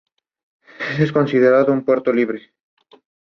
Y la gente del mismo pueblo ayuda al mayordomo al quehacer.